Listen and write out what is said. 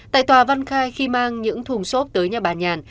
tại tòa văn khai khi mang những thùng xốp tới nhà bà nhàn